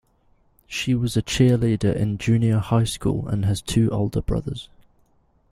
She was a cheerleader in junior high school and has two older brothers.